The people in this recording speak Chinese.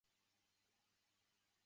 在分析化学上用于处理矿样。